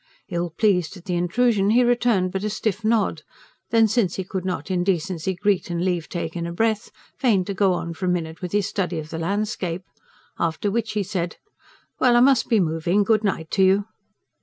Ill pleased at the intrusion, he returned but a stiff nod: then, since he could not in decency greet and leave take in a breath, feigned to go on for a minute with his study of the landscape. After which he said: "Well, I must be moving. Good night to you."